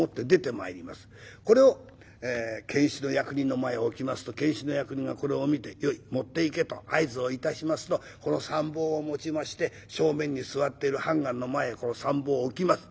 これを検使の役人の前へ置きますと検使の役人がこれを見て「よい持っていけ」と合図を致しますとこの三宝を持ちまして正面に座っている判官の前へこの三宝を置きます。